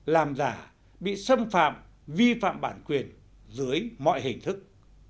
làm giả bị xâm phạm vi phạm bản quyền dưới mọi hình thức